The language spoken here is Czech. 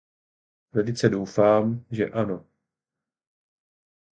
Velice doufám, že ano.